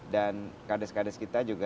dan kardes kardes kita juga